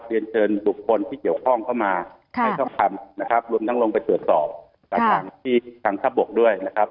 เรียนเชิญบุคคลที่เกี่ยวข้องเข้ามาให้ช่องคำนะครับรวมทั้งลงไปตรวจสอบกับทางที่ทางทัพบกด้วยนะครับ